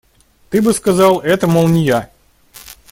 Ты бы сказал: это, мол, не я.